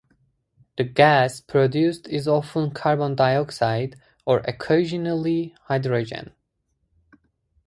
The gas produced is often carbon dioxide, or occasionally hydrogen.